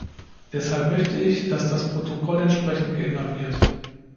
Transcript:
Deshalb möchte ich, dass das Protokoll entsprechend geändert wird.